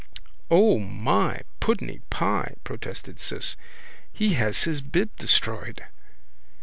—O my! Puddeny pie! protested Ciss. He has his bib destroyed.